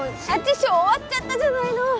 ショー終わっちゃったじゃないの